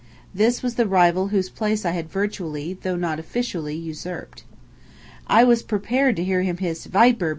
This was the rival whose place I had virtually, though not officially, usurped. I was prepared to hear him hiss "Viper!"